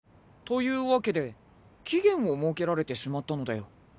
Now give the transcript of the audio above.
というわけで期限を設けられてしまったのだよ。